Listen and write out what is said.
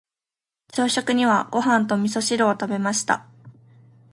朝食にはご飯と味噌汁を食べました。